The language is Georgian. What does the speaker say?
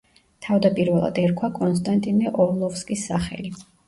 თავდაპირველად ერქვა კონსტანტინე ორლოვსკის სახელი.